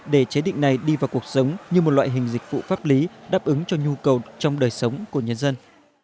để chế định này đi vào cuộc sống như một loại hình dịch vụ pháp lý đáp ứng cho nhu cầu trong đời sống của nhân dân